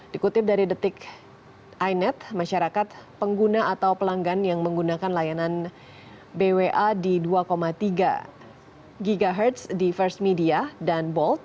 dikutip dari detik inet masyarakat pengguna atau pelanggan yang menggunakan layanan bwa di dua tiga ghz di first media dan bold